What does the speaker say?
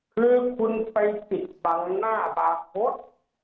คือคุณไปจิบบังหน้าบาทโพส